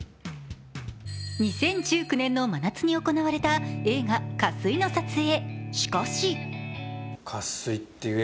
２０１９年の真夏に行われた映画「渇水」の撮影。